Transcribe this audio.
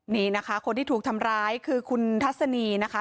นี่นะคะคนที่ถูกทำร้ายคือคุณทัศนีนะคะ